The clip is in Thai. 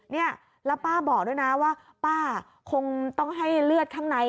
เนี่ยแล้วป้าบอกด้วยนะว่าป้าคงต้องให้เลือดข้างใน